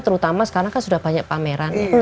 terutama sekarang kan sudah banyak pameran